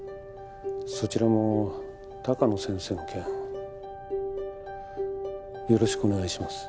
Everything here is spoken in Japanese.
そちらも鷹野先生の件よろしくお願いします。